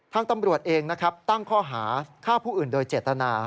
ทางตำรวจเองนะครับตั้งข้อหาฆ่าผู้อื่นโดยเจตนา